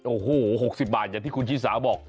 โอ้โห๖๐บาทอย่างที่คุณชิสาบอก